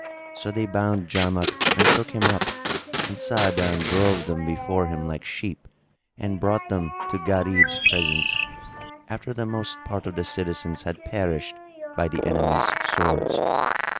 So they bound Jamak and took him up, and Sa'adan drove them before him like sheep and brought them to Gharib's presence, after the most part of the citizens had perished by the enemy's swords.